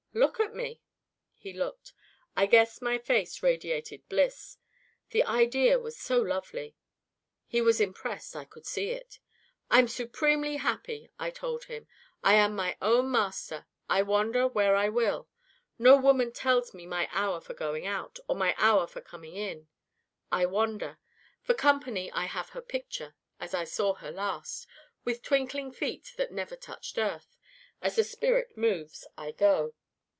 Look at me.' "He looked. I guess my face radiated bliss. The idea was so lovely. He was impressed I could see it. 'I'm supremely happy,' I told him. 'I am my own master. I wander where I will. No woman tells me my hour for going out, or my hour for coming in. I wander. For company I have her picture as I saw her last with twinkling feet that never touched earth. As the spirit moves, I go.